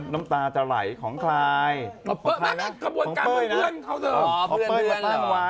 น้ำตาจะไหลของใคร